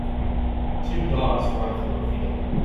Two dogs run through a field.